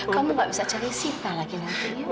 kamu gak bisa cari sita lagi nanti